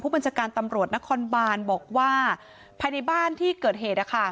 บัญชาการตำรวจนครบานบอกว่าภายในบ้านที่เกิดเหตุ